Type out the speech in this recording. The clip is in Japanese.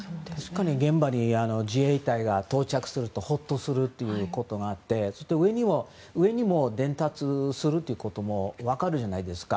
現場に自衛隊が到着するとホッとするということがあって上にも伝達するということも分かるじゃないですか。